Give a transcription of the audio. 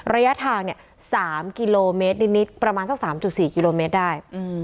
ระยะทาง๓กิโลเมตรนิดประมาณสัก๓๔กิโลเมตรได้